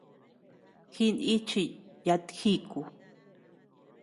Jinichiy yat jíku.